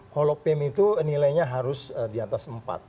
holopem itu nilainya harus diatas empat